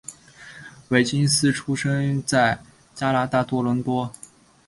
威金斯出生在加拿大多伦多。